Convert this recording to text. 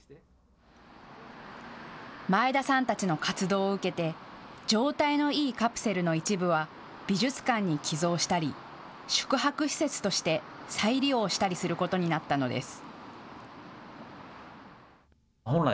前田さんたちの活動を受けて状態のいいカプセルの一部は美術館に寄贈したり宿泊施設として再利用したりすることになったのです。